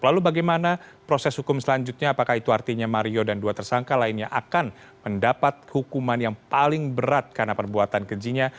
lalu bagaimana proses hukum selanjutnya apakah itu artinya mario dan dua tersangka lainnya akan mendapat hukuman yang paling berat karena perbuatan kejinya